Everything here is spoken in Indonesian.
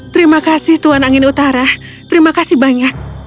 terima kasih tuhan angin utara terima kasih banyak